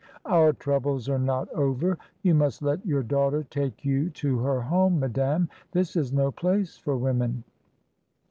Our troubles are not over; you must let your daughter take you to her home, madame; this is no place for women.